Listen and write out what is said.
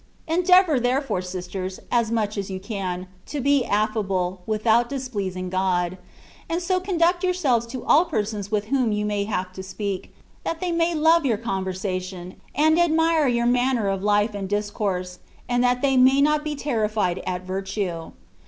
Endeavour, therefore, sisters, as much as you can, to be affable, without displeasing God; and so conduct yourselves to all persons with whom you may have to speak, that they may love your con versation, and admire your manner of life and discourse, and that they may not be terrified at virtue.